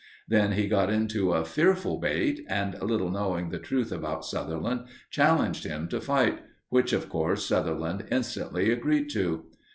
Then he got into a fearful bate, and, little knowing the truth about Sutherland, challenged him to fight; which, of course Sutherland instantly agreed to.